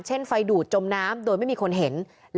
ไฟดูดจมน้ำโดยไม่มีคนเห็น